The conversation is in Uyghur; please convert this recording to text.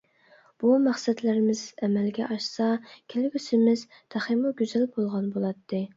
بۇ مەقسەتلىرىمىز ئەمەلگە ئاشسا، كەلگۈسىمىز تېخىمۇ گۈزەل بولغان بولاتتى.